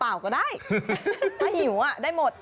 เปล่าก็ได้ถ้าหิวได้หมด